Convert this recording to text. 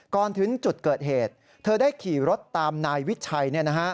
ก่อนถึงจุดเกิดเหตุเธอได้ขี่รถตามนายวิชัย